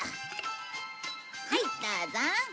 はいどうぞ。